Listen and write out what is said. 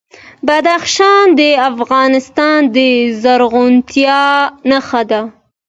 بدخشان د افغانستان د زرغونتیا نښه ده.